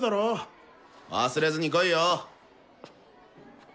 忘れずに来いよ！